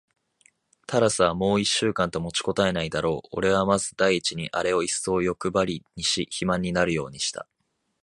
タラスはもう一週間と持ちこたえないだろう。おれはまず第一にあれをいっそうよくばりにし、肥満になるようにした。